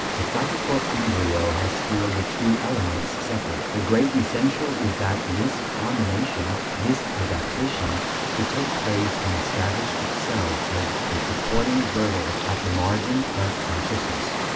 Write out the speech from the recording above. The psychical embryo has still the two elements separate. The great essential is that this "combination," this "adaptation," should take place and establish itself as a supporting girdle at the margin of consciousness.